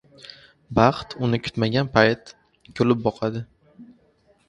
• Baxt uni kutmagan payt kulib boqadi.